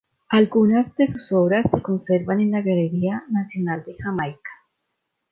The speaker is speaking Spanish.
Algunas de sus obras se conservan en la Galería Nacional de Jamaica.